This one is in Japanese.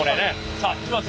さあいきます